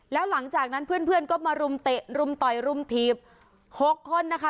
แล้วหลังจากนั้นเพื่อนก็มารุมเตะรุมต่อยรุมถีบ๖คนนะคะ